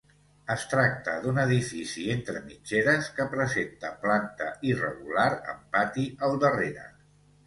Es tracta d'un edifici entre mitgeres que presenta planta irregular amb pati al darrere.